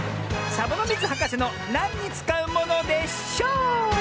サボノミズはかせの「なんにつかうものでショー」！